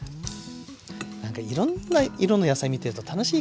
なんかいろんな色の野菜見てると楽しい気分になりますよね。